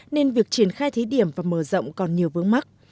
nên việc triển khai thí điểm và mở rộng còn nhiều vướng mắt